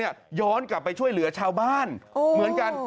ย้อนกลับไปช่วยเหลือชาวบ้านเหมือนกัน